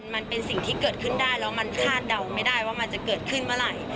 มันเป็นสิ่งที่เกิดขึ้นได้แล้วมันคาดเดาไม่ได้ว่ามันจะเกิดขึ้นเมื่อไหร่